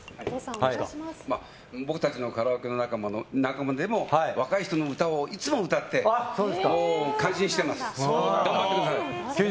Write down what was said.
僕たちのカラオケ仲間でも若い人の歌をいつも歌って感心してます、頑張ってください。